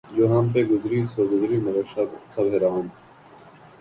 جو ہم پہ گزری سو گزری مگر شب ہجراں